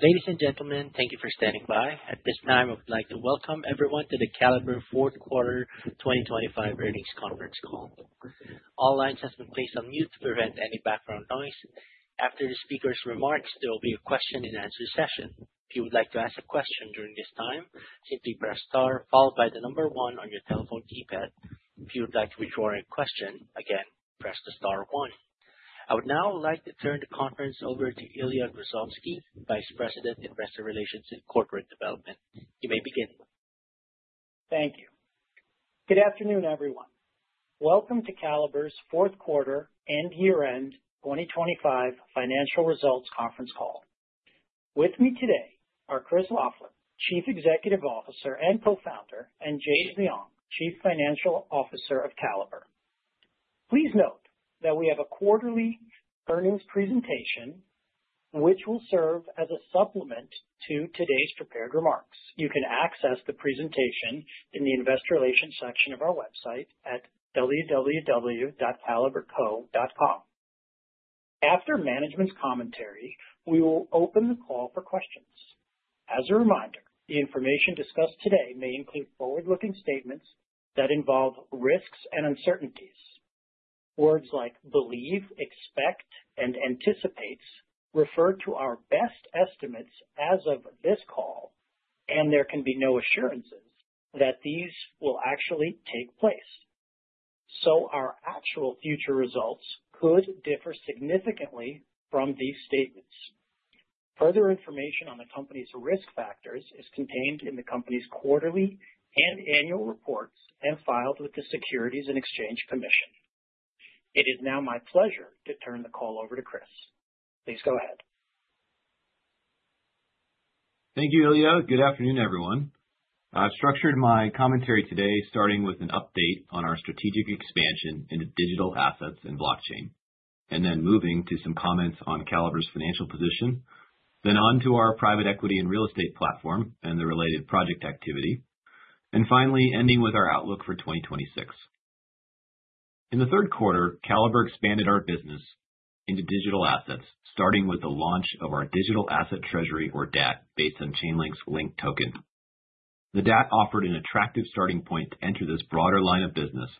Ladies and gentlemen, thank you for standing by. At this time, I would like to welcome everyone to the Caliber Fourth Quarter 2025 Earnings Conference Call. All lines have been placed on mute to prevent any background noise. After the speakers' remarks, there will be a question and answer session. If you would like to ask a question during this time, simply press star followed by the number 1 on your telephone keypad. If you would like to withdraw your question, again, press the star 1. I would now like to turn the conference over to Ilya Gruzovsky, Vice President, Investor Relations and Corporate Development. You may begin. Thank you. Good afternoon, everyone. Welcome to Caliber's fourth quarter and year-end 2025 financial results conference call. With me today are Chris Loeffler, Chief Executive Officer and Co-founder, and Jade Xiong, Chief Financial Officer of Caliber. Please note that we have a quarterly earnings presentation which will serve as a supplement to today's prepared remarks. You can access the presentation in the investor relations section of our website at www.caliberco.com. After management's commentary, we will open the call for questions. As a reminder, the information discussed today may include forward-looking statements that involve risks and uncertainties. Words like believe, expect, and anticipates refer to our best estimates as of this call, and there can be no assurances that these will actually take place. Our actual future results could differ significantly from these statements. Further information on the company's risk factors is contained in the company's quarterly and annual reports and filed with the Securities and Exchange Commission. It is now my pleasure to turn the call over to Chris. Please go ahead. Thank you, Ilya. Good afternoon, everyone. I've structured my commentary today starting with an update on our strategic expansion into digital assets and blockchain, moving to some comments on Caliber's financial position, then on to our private equity and real estate platform and the related project activity. Finally ending with our outlook for 2026. In the third quarter, Caliber expanded our business into digital assets, starting with the launch of our digital asset treasury or DAT, based on Chainlink's LINK token. The DAT offered an attractive starting point to enter this broader line of business,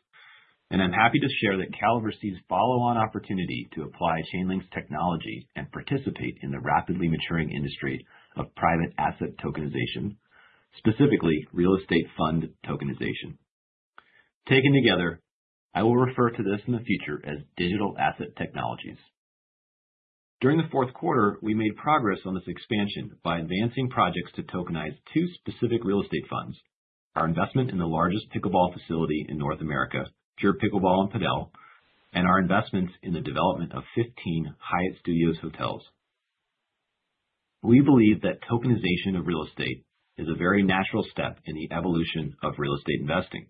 and I'm happy to share that Caliber sees follow-on opportunity to apply Chainlink's technology and participate in the rapidly maturing industry of private asset tokenization, specifically real estate fund tokenization. Taken together, I will refer to this in the future as digital asset technologies. During the fourth quarter, we made progress on this expansion by advancing projects to tokenize two specific real estate funds. Our investment in the largest pickleball facility in North America, PURE Pickleball & Padel, and our investments in the development of 15 Hyatt Studios hotels. We believe that tokenization of real estate is a very natural step in the evolution of real estate investing,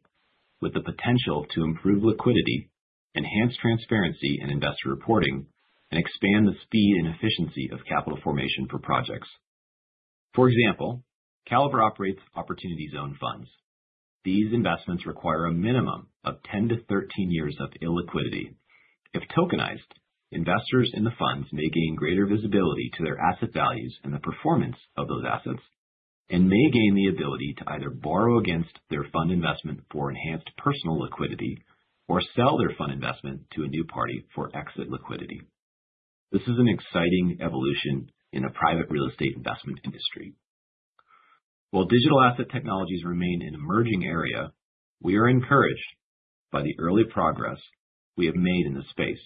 with the potential to improve liquidity, enhance transparency in investor reporting, and expand the speed and efficiency of capital formation for projects. For example, Caliber operates Opportunity Zone funds. These investments require a minimum of 10 to 13 years of illiquidity. If tokenized, investors in the funds may gain greater visibility to their asset values and the performance of those assets, and may gain the ability to either borrow against their fund investment for enhanced personal liquidity or sell their fund investment to a new party for exit liquidity. This is an exciting evolution in a private real estate investment industry. While digital asset technologies remain an emerging area, we are encouraged by the early progress we have made in this space.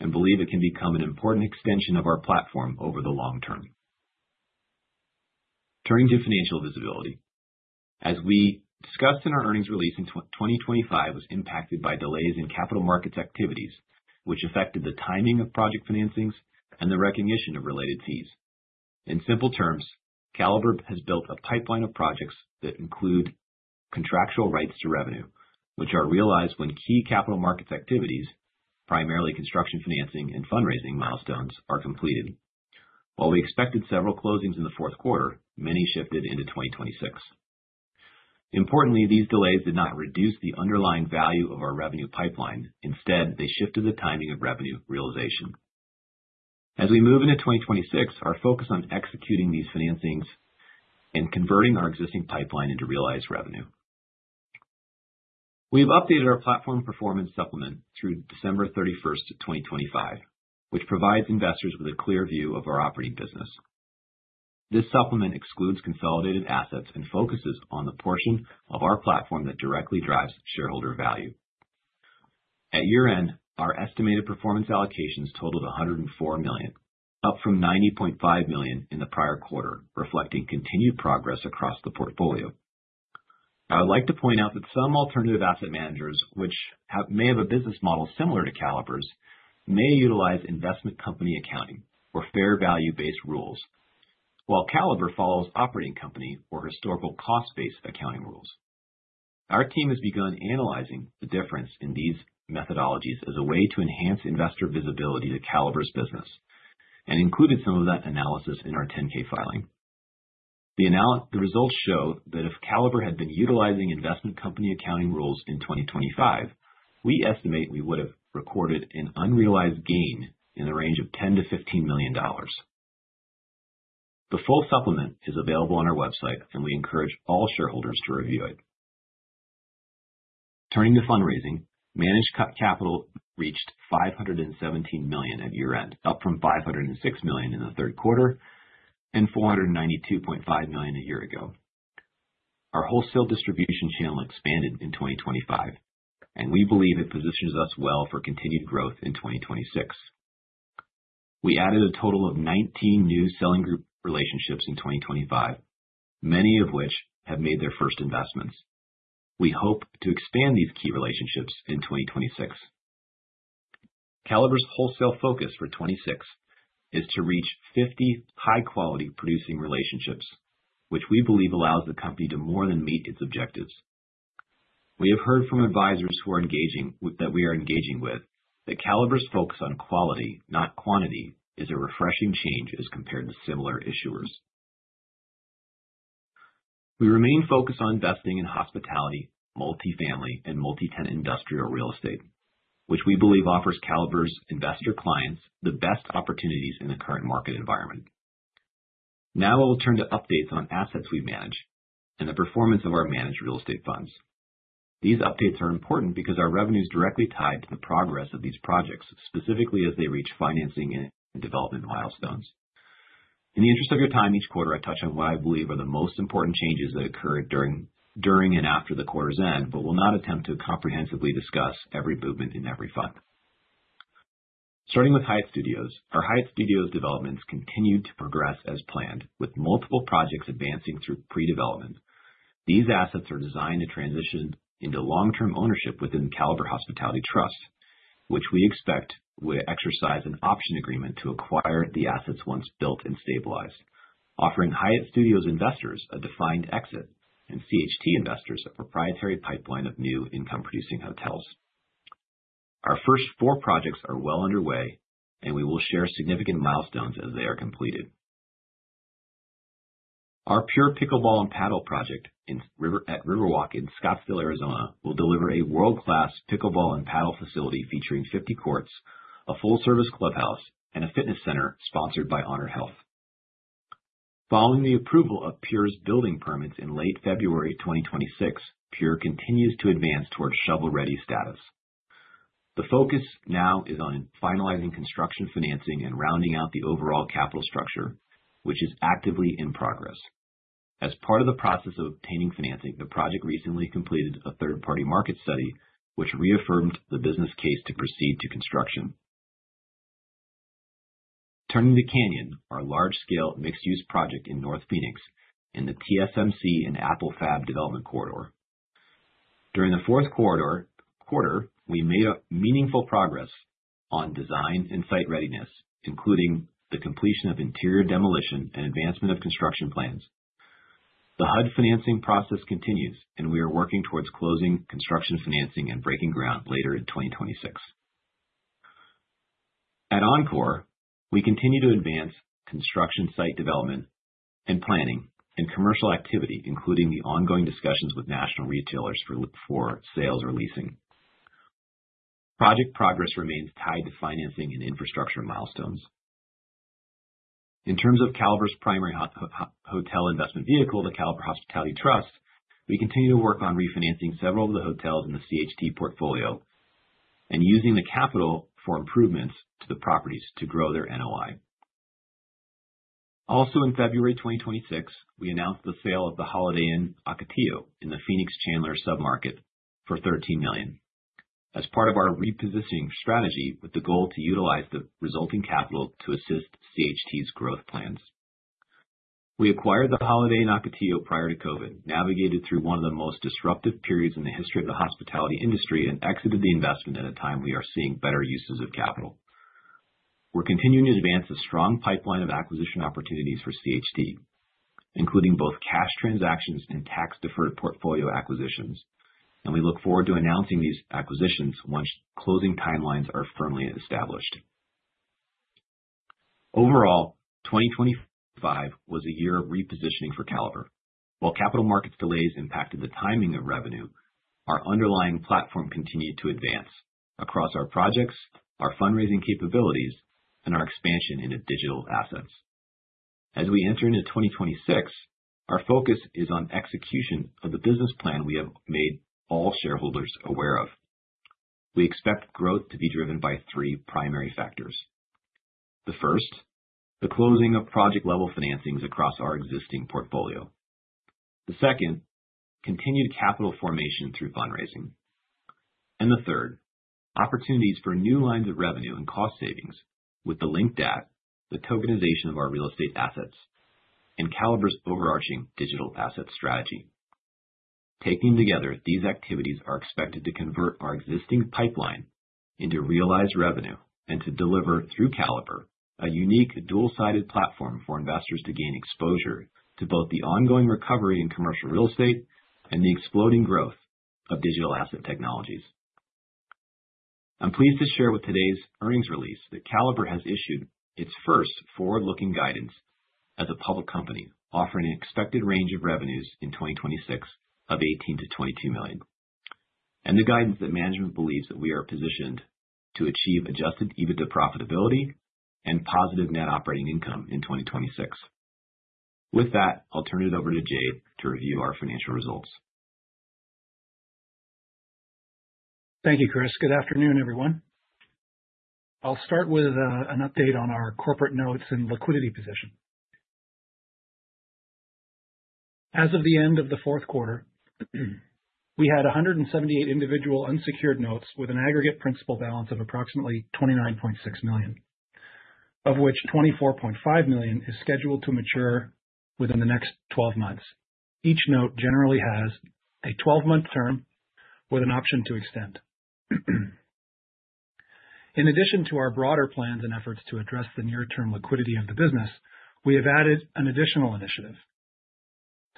We believe it can become an important extension of our platform over the long term. Turning to financial visibility. As we discussed in our earnings release, 2025 was impacted by delays in capital markets activities, which affected the timing of project financings and the recognition of related fees. In simple terms, Caliber has built a pipeline of projects that include contractual rights to revenue, which are realized when key capital markets activities, primarily construction financing and fundraising milestones, are completed. While we expected several closings in the fourth quarter, many shifted into 2026. Importantly, these delays did not reduce the underlying value of our revenue pipeline. Instead, they shifted the timing of revenue realization. As we move into 2026, our focus on executing these financings and converting our existing pipeline into realized revenue. We've updated our platform performance supplement through December 31, 2025, which provides investors with a clear view of our operating business. This supplement excludes consolidated assets and focuses on the portion of our platform that directly drives shareholder value. At year-end, our estimated performance allocations totaled $104 million, up from $90.5 million in the prior quarter, reflecting continued progress across the portfolio. I'd like to point out that some alternative asset managers which may have a business model similar to Caliber's, may utilize investment company accounting or fair value-based rules. While Caliber follows operating company accounting or historical cost-based accounting rules. Our team has begun analyzing the difference in these methodologies as a way to enhance investor visibility to Caliber's business and included some of that analysis in our 10-K filing. The results show that if Caliber had been utilizing investment company accounting rules in 2025, we estimate we would have recorded an unrealized gain in the range of $10 million-$15 million. The full supplement is available on our website, and we encourage all shareholders to review it. Turning to fundraising, managed capital reached $517 million at year-end, up from $506 million in the third quarter and $492.5 million a year ago. Our wholesale distribution channel expanded in 2025, we believe it positions us well for continued growth in 2026. We added a total of 19 new selling group relationships in 2025, many of which have made their first investments. We hope to expand these key relationships in 2026. Caliber's wholesale focus for 2026 is to reach 50 high-quality producing relationships, which we believe allows the company to more than meet its objectives. We have heard from advisors that we are engaging with, that Caliber's focus on quality, not quantity, is a refreshing change as compared to similar issuers. We remain focused on investing in hospitality, multi-family, and multi-tenant industrial real estate, which we believe offers Caliber's investor clients the best opportunities in the current market environment. I will turn to updates on assets we manage and the performance of our managed real estate funds. These updates are important because our revenue's directly tied to the progress of these projects, specifically as they reach financing and development milestones. In the interest of your time, each quarter, I touch on what I believe are the most important changes that occurred during and after the quarter's end but will not attempt to comprehensively discuss every movement in every fund. Starting with Hyatt Studios, our Hyatt Studios developments continue to progress as planned, with multiple projects advancing through pre-development. These assets are designed to transition into long-term ownership within Caliber Hospitality Trust, which we expect will exercise an option agreement to acquire the assets once built and stabilized, offering Hyatt Studios investors a defined exit, and CHT investors a proprietary pipeline of new income-producing hotels. Our first four projects are well underway, we will share significant milestones as they are completed. Our PURE Pickleball & Padel project at Riverwalk in Scottsdale, Arizona, will deliver a world-class pickleball and padel facility featuring 50 courts, a full-service clubhouse, and a fitness center sponsored by HonorHealth. Following the approval of PURE's building permits in late February 2026, PURE continues to advance towards shovel-ready status. The focus now is on finalizing construction financing and rounding out the overall capital structure, which is actively in progress. As part of the process of obtaining financing, the project recently completed a third-party market study, which reaffirmed the business case to proceed to construction. Turning to Canyon, our large-scale mixed-use project in North Phoenix in the TSMC and Apple Fab development corridor. During the fourth quarter, we made meaningful progress on design and site readiness, including the completion of interior demolition and advancement of construction plans. The HUD financing process continues, we are working towards closing construction financing and breaking ground later in 2026. At Encore, we continue to advance construction site development and planning and commercial activity, including the ongoing discussions with national retailers for sales or leasing. Project progress remains tied to financing and infrastructure milestones. In terms of Caliber's primary hotel investment vehicle, the Caliber Hospitality Trust, we continue to work on refinancing several of the hotels in the CHT portfolio and using the capital for improvements to the properties to grow their NOI. Also in February 2026, we announced the sale of the Holiday Inn Ocotillo in the Phoenix Chandler submarket for $13 million as part of our repositioning strategy with the goal to utilize the resulting capital to assist CHT's growth plans. We acquired the Holiday Inn Ocotillo prior to COVID, navigated through one of the most disruptive periods in the history of the hospitality industry, and exited the investment at a time we are seeing better uses of capital. We're continuing to advance a strong pipeline of acquisition opportunities for CHT, including both cash transactions and tax-deferred portfolio acquisitions, and we look forward to announcing these acquisitions once closing timelines are firmly established. Overall, 2025 was a year of repositioning for Caliber. While capital markets delays impacted the timing of revenue, our underlying platform continued to advance across our projects, our fundraising capabilities, and our expansion into digital assets. As we enter into 2026, our focus is on execution of the business plan we have made all shareholders aware of. We expect growth to be driven by three primary factors. The first, the closing of project-level financings across our existing portfolio. The second, continued capital formation through fundraising. The third, opportunities for new lines of revenue and cost savings with the LINK app, the tokenization of our real estate assets, and Caliber's overarching digital asset strategy. Taken together, these activities are expected to convert our existing pipeline into realized revenue and to deliver, through Caliber, a unique dual-sided platform for investors to gain exposure to both the ongoing recovery in commercial real estate and the exploding growth of digital asset technologies. I'm pleased to share with today's earnings release that Caliber has issued its first forward-looking guidance as a public company, offering an expected range of revenues in 2026 of $18 million-$22 million. The guidance that management believes that we are positioned to achieve adjusted EBITDA profitability and positive net operating income in 2026. With that, I'll turn it over to Jade to review our financial results. Thank you, Chris. Good afternoon, everyone. I'll start with an update on our corporate notes and liquidity position. As of the end of the fourth quarter, we had 178 individual unsecured notes with an aggregate principal balance of approximately $29.6 million, of which $24.5 million is scheduled to mature within the next 12 months. Each note generally has a 12-month term with an option to extend. In addition to our broader plans and efforts to address the near-term liquidity of the business, we have added an additional initiative.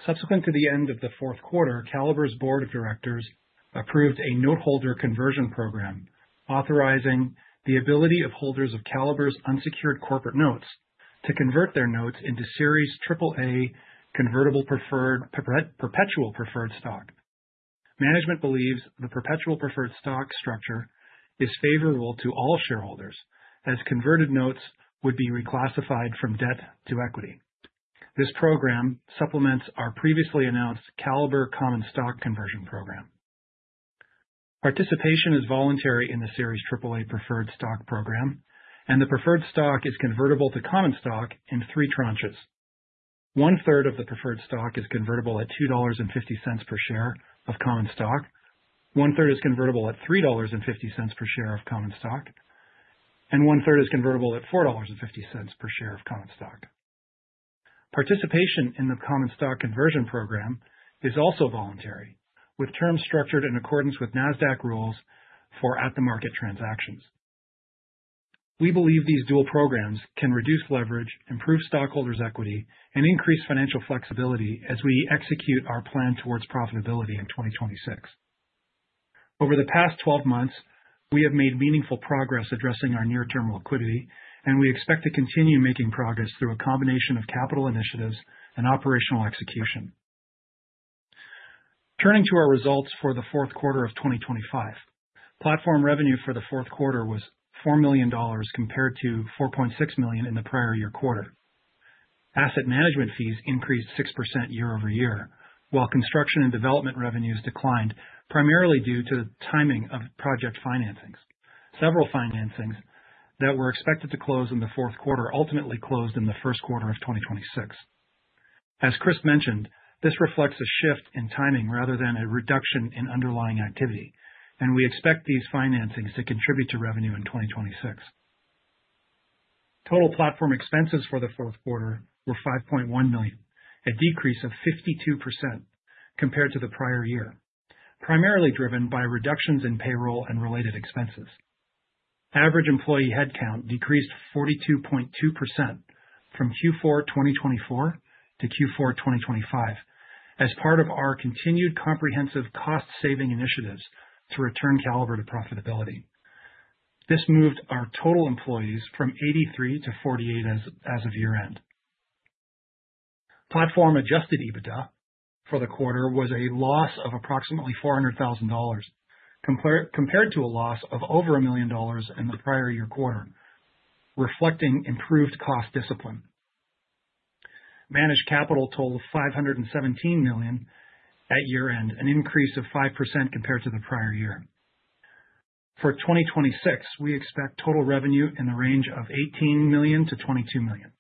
Subsequent to the end of the fourth quarter, Caliber's board of directors approved a note holder conversion program authorizing the ability of holders of Caliber's unsecured corporate notes to convert their notes into Series AAA Convertible Preferred, perpetual preferred stock. Management believes the perpetual preferred stock structure is favorable to all shareholders, as converted notes would be reclassified from debt to equity. This program supplements our previously announced Caliber common stock conversion program. Participation is voluntary in the Series AAA preferred stock program, and the preferred stock is convertible to common stock in three tranches. One-third of the preferred stock is convertible at $2.50 per share of common stock. One-third is convertible at $3.50 per share of common stock, and one-third is convertible at $4.50 per share of common stock. Participation in the common stock conversion program is also voluntary, with terms structured in accordance with Nasdaq rules for at the market transactions. We believe these dual programs can reduce leverage, improve stockholders' equity, and increase financial flexibility as we execute our plan towards profitability in 2026. Over the past 12 months, we have made meaningful progress addressing our near-term liquidity, and we expect to continue making progress through a combination of capital initiatives and operational execution. Turning to our results for the fourth quarter of 2025. Platform revenue for the fourth quarter was $4 million, compared to $4.6 million in the prior year quarter. Asset management fees increased 6% year-over-year, while construction and development revenues declined, primarily due to timing of project financings. Several financings that were expected to close in the fourth quarter ultimately closed in the first quarter of 2026. As Chris mentioned, this reflects a shift in timing rather than a reduction in underlying activity, and we expect these financings to contribute to revenue in 2026. Total platform expenses for the fourth quarter were $5.1 million, a decrease of 52% compared to the prior year, primarily driven by reductions in payroll and related expenses. Average employee headcount decreased 42.2% from Q4 2024 to Q4 2025 as part of our continued comprehensive cost-saving initiatives to return Caliber to profitability. This moved our total employees from 83 to 48 as of year-end. Platform adjusted EBITDA for the quarter was a loss of approximately $400,000, compared to a loss of over $1 million in the prior year quarter, reflecting improved cost discipline. Managed capital totaled $517 million at year-end, an increase of 5% compared to the prior year. For 2026, we expect total revenue in the range of $18 million-$22 million.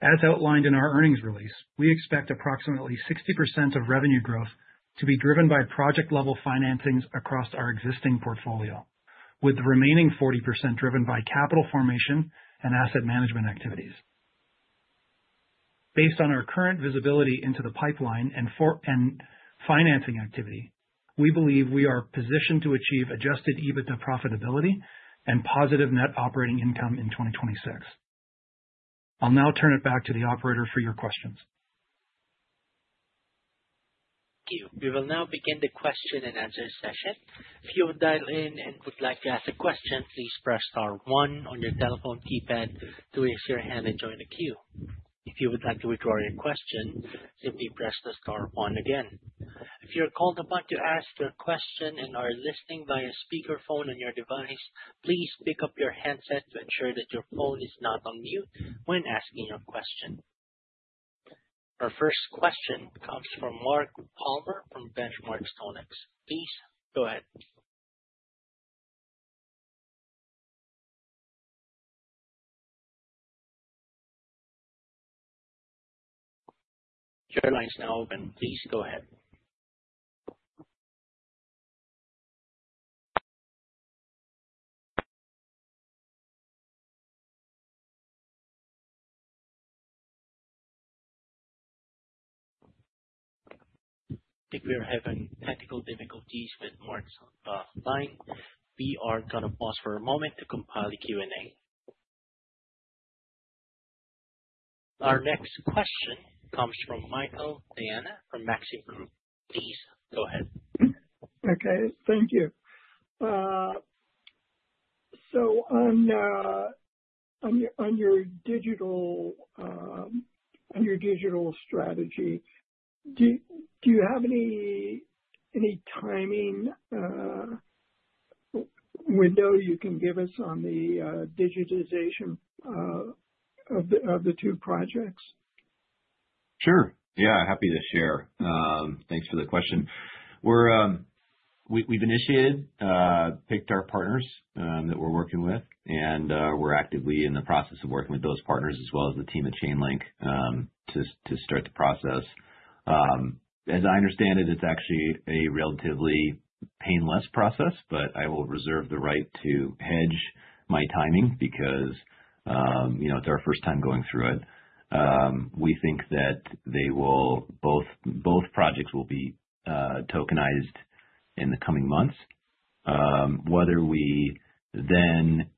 As outlined in our earnings release, we expect approximately 60% of revenue growth to be driven by project-level financings across our existing portfolio, with the remaining 40% driven by capital formation and asset management activities. Based on our current visibility into the pipeline and financing activity, we believe we are positioned to achieve adjusted EBITDA profitability and positive net operating income in 2026. I'll now turn it back to the operator for your questions. Thank you. We will now begin the question and answer session. If you have dialed in and would like to ask a question, please press star one on your telephone keypad to raise your hand and join the queue. If you would like to withdraw your question, simply press the star one again. If you are called upon to ask your question and are listening via speakerphone on your device, please pick up your handset to ensure that your phone is not on mute when asking your question. Our first question comes from Mark Palmer from Benchmark StoneX. Please go ahead. Your line is now open. Please go ahead. I think we are having technical difficulties with Mark's line. We are going to pause for a moment to compile the Q&A. Our next question comes from Michael Diana from Maxim Group. Please go ahead. Okay, thank you. On your digital strategy, do you have any timing window you can give us on the digitization of the two projects? Sure. Yeah, happy to share. Thanks for the question. We have initiated, picked our partners that we are working with, and we are actively in the process of working with those partners as well as the team at Chainlink, to start the process. As I understand it is actually a relatively painless process, but I will reserve the right to hedge my timing because it is our first time going through it. We think that both projects will be tokenized in the coming months. Whether we then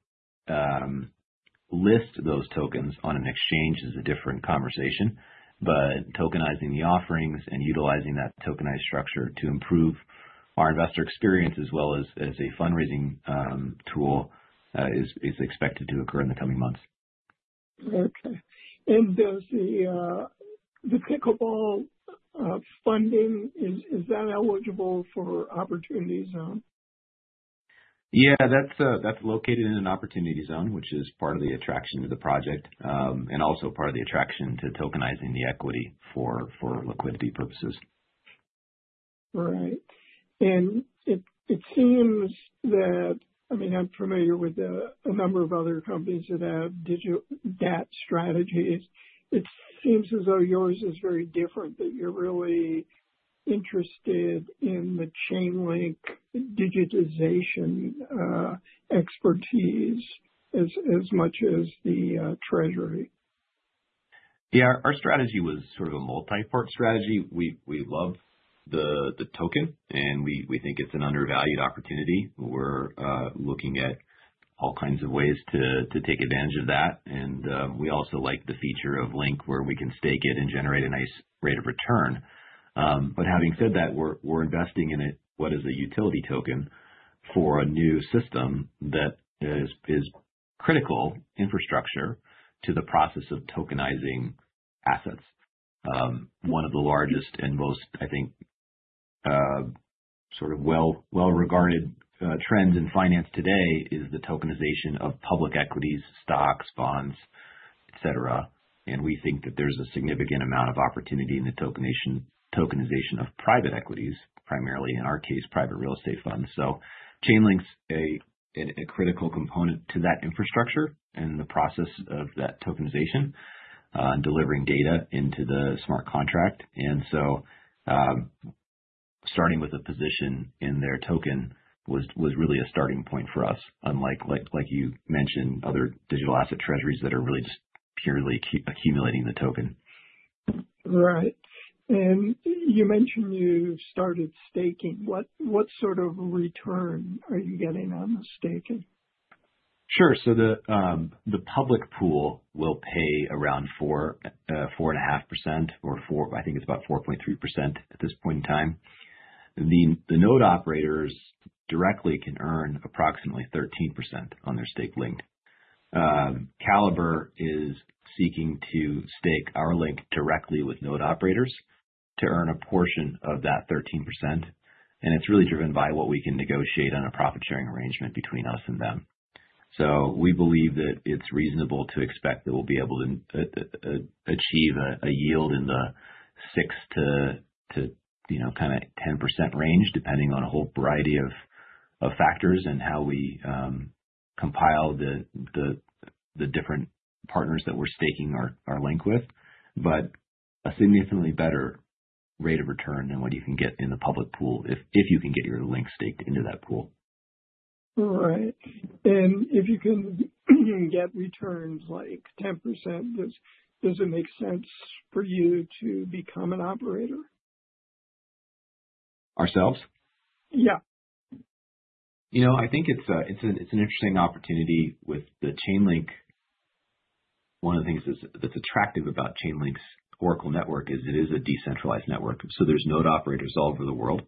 list those tokens on an exchange is a different conversation, but tokenizing the offerings and utilizing that tokenized structure to improve our investor experience as well as a fundraising tool, is expected to occur in the coming months. Okay. Does the pickleball funding, is that eligible for Opportunity Zone? Yeah, that's located in an Opportunity Zone, which is part of the attraction to the project, and also part of the attraction to tokenizing the equity for liquidity purposes. Right. It seems that, I'm familiar with a number of other companies that have digital DAT strategies. It seems as though yours is very different, that you're really interested in the Chainlink digitization expertise as much as the treasury. Yeah, our strategy was sort of a multi-part strategy. We love the token, and we think it's an undervalued opportunity. We're looking at all kinds of ways to take advantage of that, and we also like the feature of LINK, where we can stake it and generate a nice rate of return. Having said that, we're investing in it what is a utility token for a new system that is critical infrastructure to the process of tokenizing assets. One of the largest and most, I think, sort of well-regarded trends in finance today is the tokenization of public equities, stocks, bonds, et cetera, and we think that there's a significant amount of opportunity in the tokenization of private equities, primarily, in our case, private real estate funds. Chainlink's a critical component to that infrastructure and the process of that tokenization, delivering data into the smart contract. Starting with a position in their token was really a starting point for us, unlike, like you mentioned, other digital asset treasuries that are really just purely accumulating the token. Right. You mentioned you started staking. What sort of return are you getting on the staking? Sure. The public pool will pay around 4.5%, or I think it's about 4.3% at this point in time. The node operators directly can earn approximately 13% on their staked LINK. Caliber is seeking to stake our LINK directly with node operators to earn a portion of that 13%, and it's really driven by what we can negotiate on a profit-sharing arrangement between us and them. We believe that it's reasonable to expect that we'll be able to achieve a yield in the 6%-10% range, depending on a whole variety of factors and how we compile the different partners that we're staking our LINK with. A significantly better rate of return than what you can get in the public pool if you can get your LINK staked into that pool. Right. If you can get returns like 10%, does it make sense for you to become an operator? Ourselves? Yeah. I think it's an interesting opportunity with the Chainlink. One of the things that's attractive about Chainlink's oracle network is it is a decentralized network, there's node operators all over the world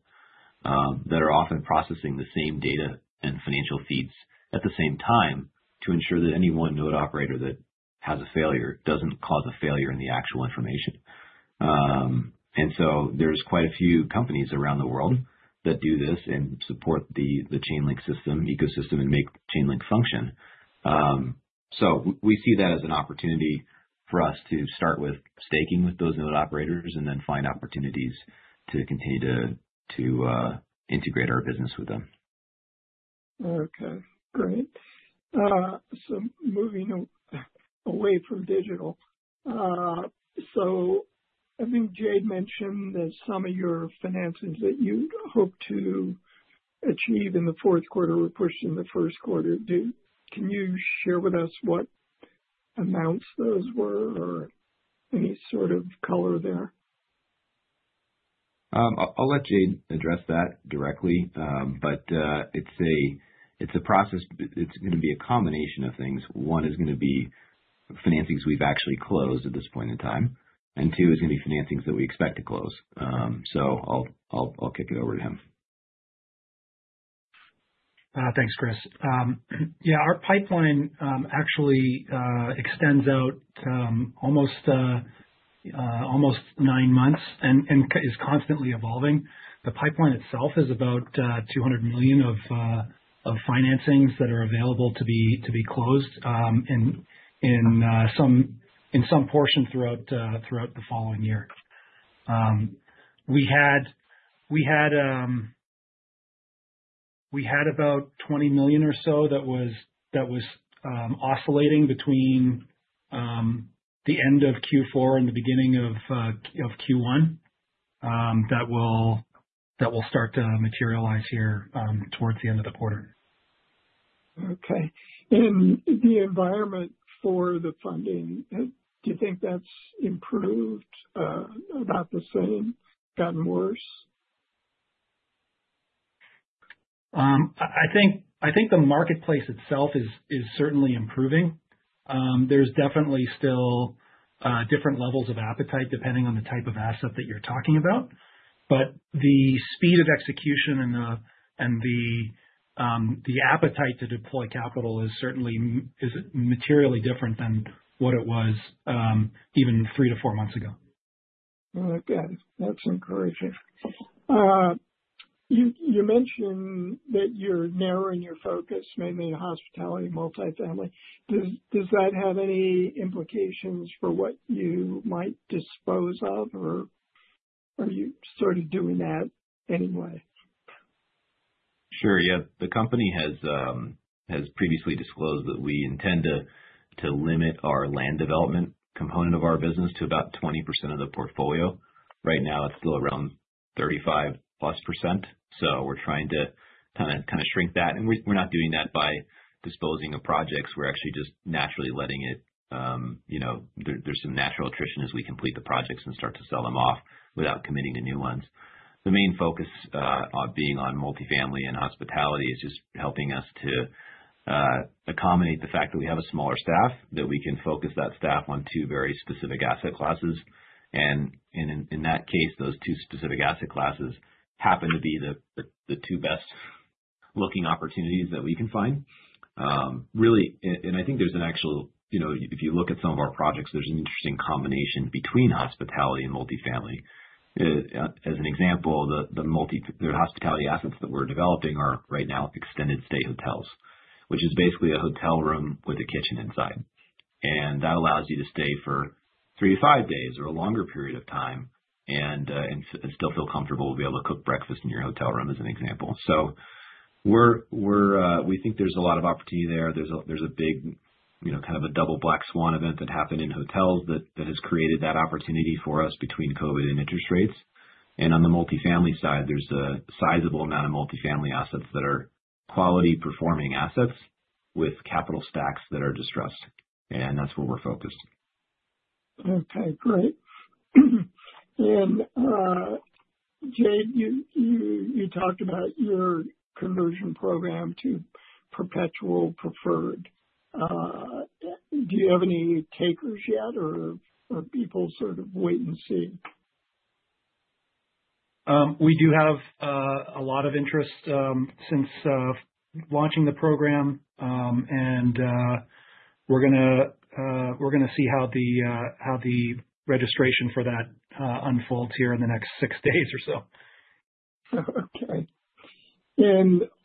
that are often processing the same data and financial feeds at the same time to ensure that any one node operator that has a failure doesn't cause a failure in the actual information. There's quite a few companies around the world that do this and support the Chainlink system, ecosystem, and make Chainlink function. We see that as an opportunity for us to start with staking with those node operators and then find opportunities to continue to integrate our business with them. Okay, great. Moving away from digital. I think Jade mentioned that some of your financings that you hope to achieve in the fourth quarter were pushed into the first quarter. Can you share with us what amounts those were or any sort of color there? I'll let Jade address that directly. It's a process. It's going to be a combination of things. One is going to be financings we've actually closed at this point in time, and two is going to be financings that we expect to close. I'll kick it over to him. Thanks, Chris. Yeah, our pipeline actually extends out almost nine months and is constantly evolving. The pipeline itself is about $200 million of financings that are available to be closed in some portion throughout the following year. We had about $20 million or so that was oscillating between the end of Q4 and the beginning of Q1 that will start to materialize here towards the end of the quarter. Okay. The environment for the funding, do you think that's improved? About the same? Gotten worse? I think the marketplace itself is certainly improving. There's definitely still different levels of appetite depending on the type of asset that you're talking about. The speed of execution and the appetite to deploy capital is certainly materially different than what it was even 3 to 4 months ago. Oh, good. That's encouraging. You mentioned that you're narrowing your focus, mainly hospitality, multifamily. Does that have any implications for what you might dispose of, or are you sort of doing that anyway? Sure. Yeah. The company has previously disclosed that we intend to limit our land development component of our business to about 20% of the portfolio. Right now, it's still around 35% plus. We're trying to kind of shrink that, and we're not doing that by disposing of projects. We're actually just naturally letting it, there's some natural attrition as we complete the projects and start to sell them off without committing to new ones. The main focus on being on multifamily and hospitality is just helping us to accommodate the fact that we have a smaller staff, that we can focus that staff on two very specific asset classes. In that case, those two specific asset classes happen to be the two best-looking opportunities that we can find. Really, I think there's an actual, if you look at some of our projects, there's an interesting combination between hospitality and multifamily. As an example, the hospitality assets that we're developing are right now extended stay hotels, which is basically a hotel room with a kitchen inside. That allows you to stay for 3 to 5 days or a longer period of time and still feel comfortable to be able to cook breakfast in your hotel room, as an example. We think there's a lot of opportunity there. There's a big kind of a double black swan event that happened in hotels that has created that opportunity for us between COVID and interest rates. On the multifamily side, there's a sizable amount of multifamily assets that are quality-performing assets with capital stacks that are distressed, and that's where we're focused. Okay, great. Jade, you talked about your conversion program to perpetual preferred. Do you have any takers yet, or are people sort of wait and see? We do have a lot of interest since launching the program. We're going to see how the registration for that unfolds here in the next six days or so. Okay.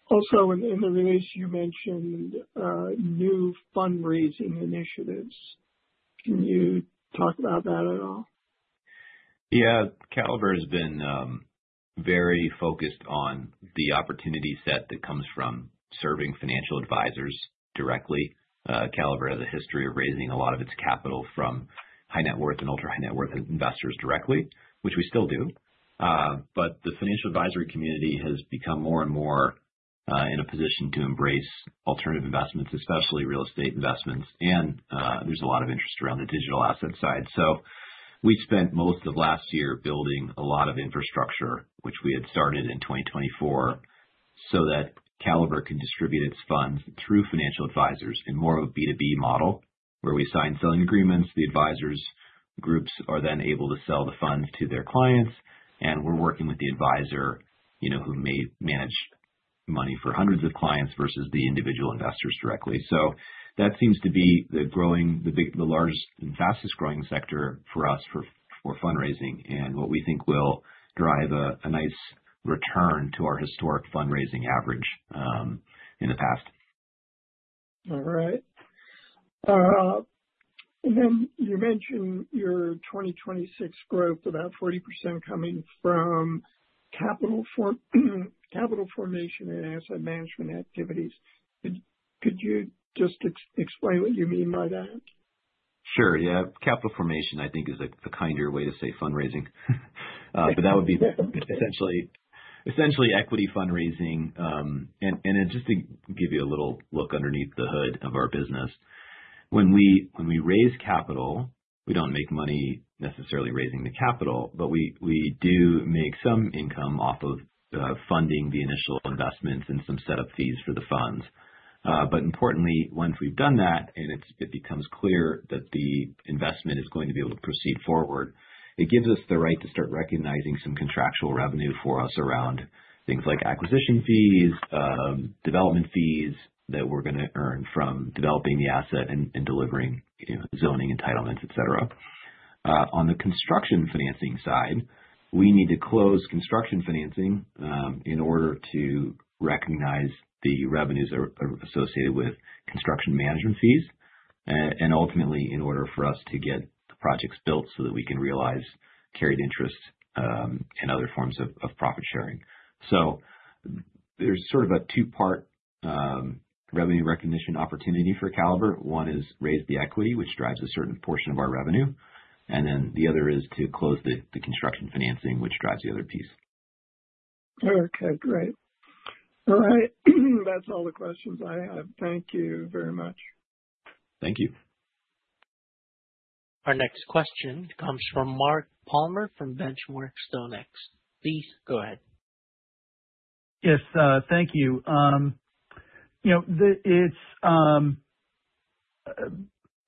Also in the release, you mentioned new fundraising initiatives. Can you talk about that at all? Yeah. Caliber has been very focused on the opportunity set that comes from serving financial advisors directly. Caliber has a history of raising a lot of its capital from high net worth and ultra-high net worth investors directly, which we still do. The financial advisory community has become more and more in a position to embrace alternative investments, especially real estate investments. There's a lot of interest around the digital asset side. We've spent most of last year building a lot of infrastructure, which we had started in 2024, so that Caliber can distribute its funds through financial advisors in more of a B2B model, where we sign selling agreements. The advisors' groups are then able to sell the funds to their clients, and we're working with the advisor who may manage money for hundreds of clients versus the individual investors directly. That seems to be the largest and fastest-growing sector for us for fundraising and what we think will drive a nice return to our historic fundraising average in the past. All right. Then you mentioned your 2026 growth, about 40% coming from capital formation and asset management activities. Could you just explain what you mean by that? Sure. Yeah. Capital formation, I think, is a kinder way to say fundraising. That would be essentially equity fundraising. Just to give you a little look underneath the hood of our business, when we raise capital, we don't make money necessarily raising the capital, but we do make some income off of funding the initial investments and some setup fees for the funds. Importantly, once we've done that and it becomes clear that the investment is going to be able to proceed forward, it gives us the right to start recognizing some contractual revenue for us around things like acquisition fees, development fees that we're going to earn from developing the asset and delivering zoning entitlements, et cetera. On the construction financing side, we need to close construction financing in order to recognize the revenues associated with construction management fees, and ultimately, in order for us to get the projects built so that we can realize carried interest and other forms of profit sharing. There's sort of a two-part revenue recognition opportunity for Caliber. One is raise the equity, which drives a certain portion of our revenue, then the other is to close the construction financing, which drives the other piece. Okay, great. All right. That's all the questions I have. Thank you very much. Thank you. Our next question comes from Mark Palmer from Benchmark StoneX. Please go ahead. Yes. Thank you. It's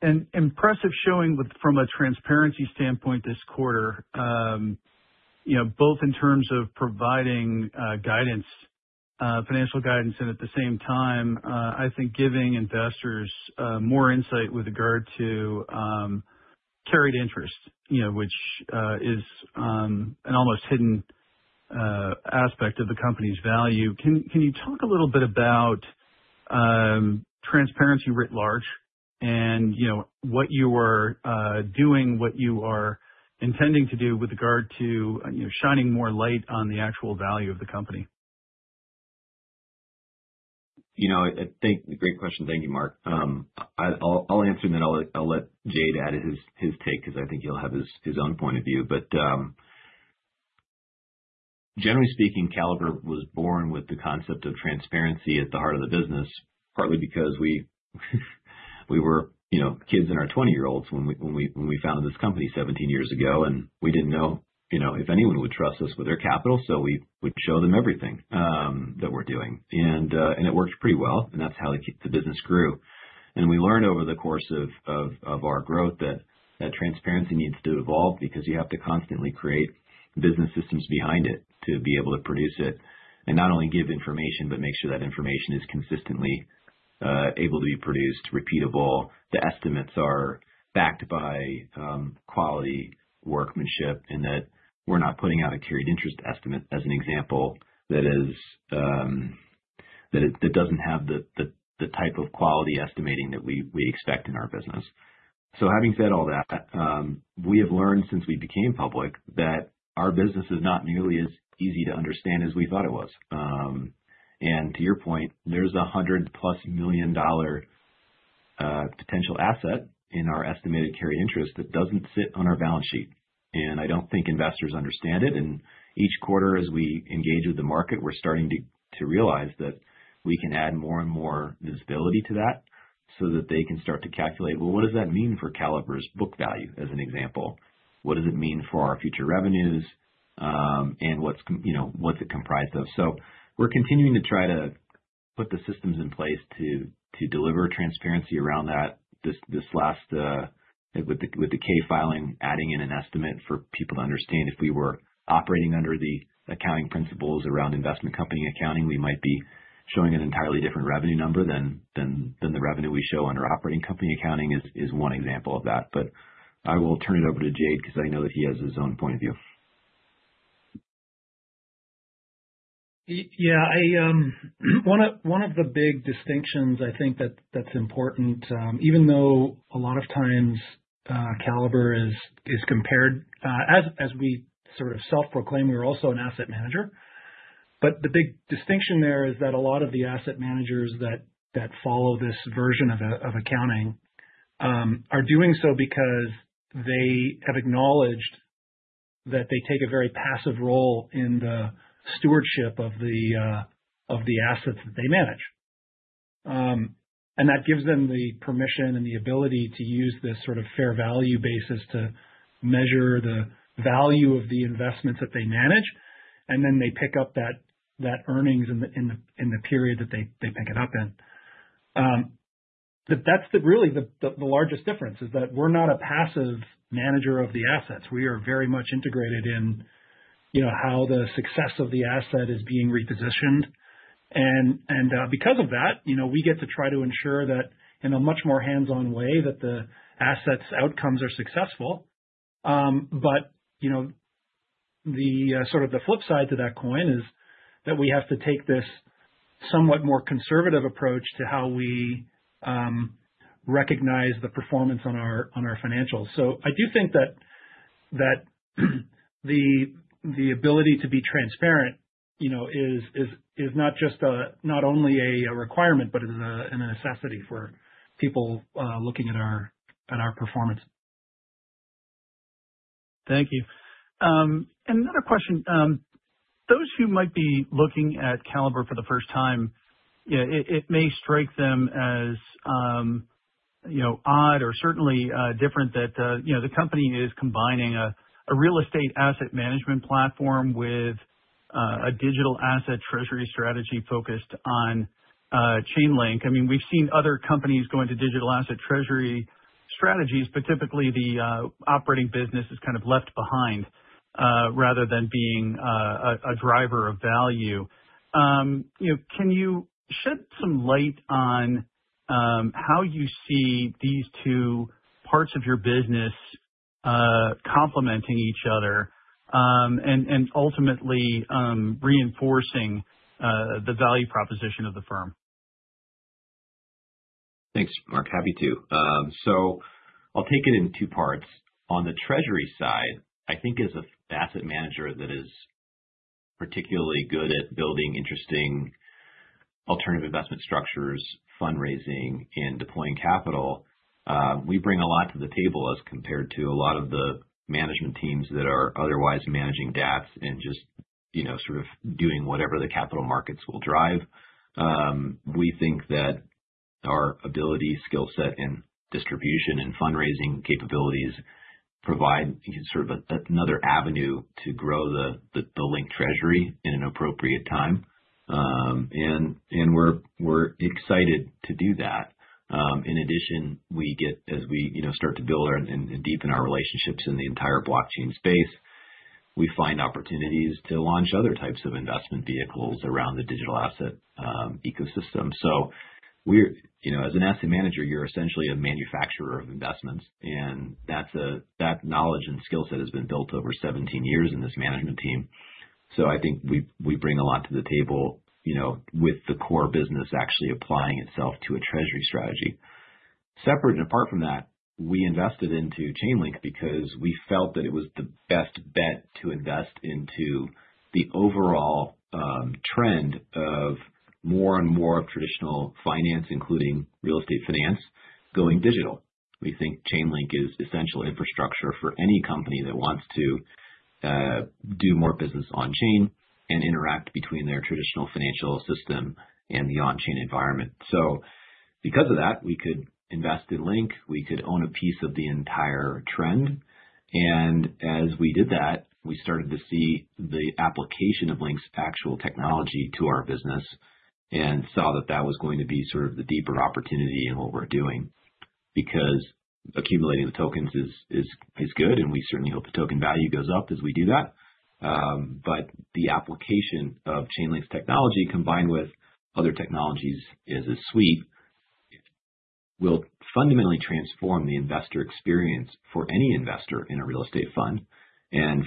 an impressive showing from a transparency standpoint this quarter, both in terms of providing financial guidance and at the same time, I think giving investors more insight with regard to carried interest which is an almost hidden aspect of the company's value. Can you talk a little bit about transparency writ large and what you are doing, what you are intending to do with regard to shining more light on the actual value of the company? Great question. Thank you, Mark. I'll answer and then I'll let Jade add his take because I think he'll have his own point of view. Generally speaking, Caliber was born with the concept of transparency at the heart of the business, partly because we were kids in our 20s when we founded this company 17 years ago. We didn't know if anyone would trust us with their capital, so we would show them everything that we're doing. It worked pretty well, and that's how the business grew. We learned over the course of our growth that transparency needs to evolve because you have to constantly create business systems behind it to be able to produce it. Not only give information, but make sure that information is consistently able to be produced, repeatable, the estimates are backed by quality workmanship, and that we're not putting out a carried interest estimate, as an example, that doesn't have the type of quality estimating that we expect in our business. Having said all that, we have learned since we became public that our business is not nearly as easy to understand as we thought it was. To your point, there's $100-plus million potential asset in our estimated carried interest that doesn't sit on our balance sheet. I don't think investors understand it. Each quarter as we engage with the market, we're starting to realize that we can add more and more visibility to that so that they can start to calculate, well, what does that mean for Caliber's book value, as an example? What does it mean for our future revenues? What's it comprised of? We're continuing to try to put the systems in place to deliver transparency around that. This last with the K filing, adding in an estimate for people to understand if we were operating under the accounting principles around investment company accounting, we might be showing an entirely different revenue number than the revenue we show under operating company accounting is one example of that. I will turn it over to Jade because I know that he has his own point of view. Yeah. One of the big distinctions I think that's important, even though a lot of times Caliber is compared, as we sort of self-proclaim, we're also an asset manager. The big distinction there is that a lot of the asset managers that follow this version of accounting, are doing so because they have acknowledged that they take a very passive role in the stewardship of the assets that they manage. That gives them the permission and the ability to use this sort of fair value basis to measure the value of the investments that they manage, and then they pick up that earnings in the period that they pick it up in. That's really the largest difference, is that we're not a passive manager of the assets. We are very much integrated in how the success of the asset is being repositioned. Because of that, we get to try to ensure that in a much more hands-on way that the asset's outcomes are successful. The flip side to that coin is that we have to take this somewhat more conservative approach to how we recognize the performance on our financials. I do think that the ability to be transparent is not only a requirement, but is a necessity for people looking at our performance. Thank you. Another question. Those who might be looking at Caliber for the first time, it may strike them as odd or certainly different that the company is combining a real estate asset management platform with a digital asset treasury strategy focused on Chainlink. We've seen other companies go into digital asset treasury strategies, but typically the operating business is kind of left behind rather than being a driver of value. Can you shed some light on how you see these two parts of your business complementing each other, and ultimately reinforcing the value proposition of the firm? Thanks, Mark. Happy to. I'll take it in two parts. On the treasury side, I think as an asset manager that is particularly good at building interesting alternative investment structures, fundraising, and deploying capital, we bring a lot to the table as compared to a lot of the management teams that are otherwise managing DAFs and just sort of doing whatever the capital markets will drive. We think that our ability, skill set in distribution and fundraising capabilities provide sort of another avenue to grow the LINK treasury in an appropriate time. We're excited to do that. In addition, as we start to build and deepen our relationships in the entire blockchain space, we find opportunities to launch other types of investment vehicles around the digital asset ecosystem. As an asset manager, you're essentially a manufacturer of investments, and that knowledge and skill set has been built over 17 years in this management team. I think we bring a lot to the table, with the core business actually applying itself to a treasury strategy. Separate and apart from that, we invested into Chainlink because we felt that it was the best bet to invest into the overall trend of more and more traditional finance, including real estate finance, going digital. We think Chainlink is essential infrastructure for any company that wants to do more business on-chain and interact between their traditional financial system and the on-chain environment. Because of that, we could invest in LINK, we could own a piece of the entire trend. As we did that, we started to see the application of Chainlink's actual technology to our business and saw that that was going to be sort of the deeper opportunity in what we're doing. Accumulating the tokens is good, and we certainly hope the token value goes up as we do that. The application of Chainlink's technology, combined with other technologies as a suite, will fundamentally transform the investor experience for any investor in a real estate fund.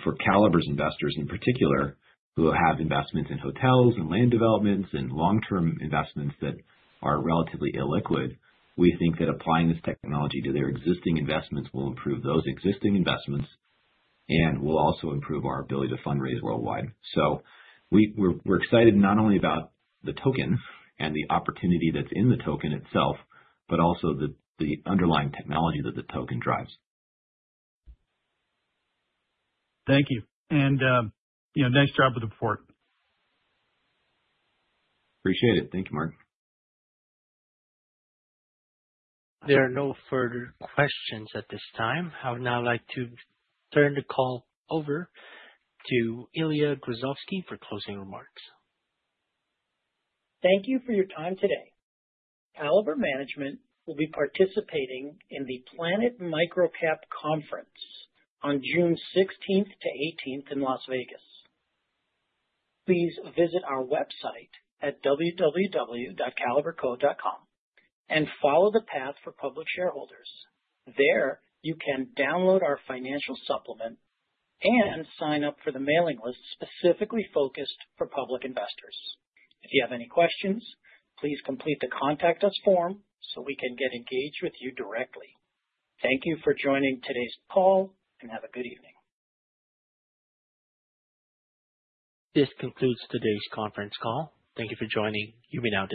For Caliber's investors in particular, who have investments in hotels and land developments and long-term investments that are relatively illiquid, we think that applying this technology to their existing investments will improve those existing investments and will also improve our ability to fundraise worldwide. We're excited not only about the token and the opportunity that's in the token itself, but also the underlying technology that the token drives. Thank you. Nice job with the report. Appreciate it. Thank you, Mark. There are no further questions at this time. I would now like to turn the call over to Ilya Gruzovsky for closing remarks. Thank you for your time today. Caliber Management will be participating in the Planet MicroCap Conference on June 16th to 18th in Las Vegas. Please visit our website at www.caliberco.com and follow the path for public shareholders. There, you can download our financial supplement and sign up for the mailing list specifically focused for public investors. If you have any questions, please complete the Contact Us form so we can get engaged with you directly. Thank you for joining today's call, and have a good evening. This concludes today's conference call. Thank you for joining. You may now disconnect